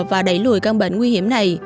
và đẩy lùi căn bệnh nguy hiểm này